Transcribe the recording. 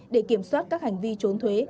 để kiểm soát các hành vi trốn thuế